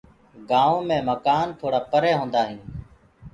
گآئونٚ مي مڪآن توڙآ پري هوندآ هين۔